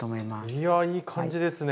いやいい感じですね！